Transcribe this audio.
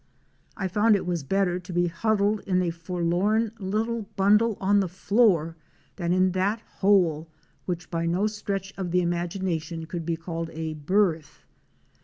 I found it was better to be huddled in a forlorn little bundle on the floor than in that hole which by no stretch of the imagination could be called a berth.